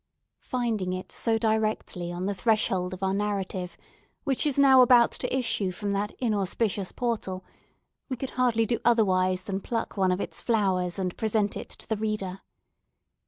Finding it so directly on the threshold of our narrative, which is now about to issue from that inauspicious portal, we could hardly do otherwise than pluck one of its flowers, and present it to the reader.